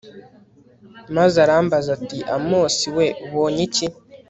maze arambaza ati amosi we ubonye iki